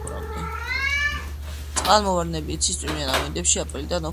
წყალმოვარდნები იცის წვიმიან ამინდებში, აპრილიდან ოქტომბრამდე.